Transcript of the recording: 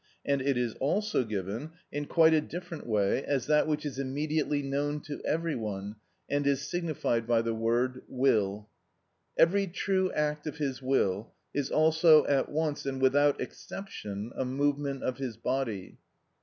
And it is also given in quite a different way as that which is immediately known to every one, and is signified by the word will. Every true act of his will is also at once and without exception a movement of his body.